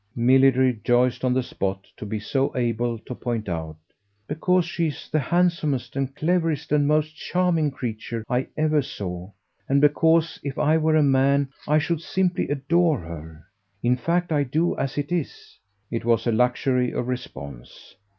Milly rejoiced on the spot to be so able to point out. "Because she's the handsomest and cleverest and most charming creature I ever saw, and because if I were a man I should simply adore her. In fact I do as it is." It was a luxury of response.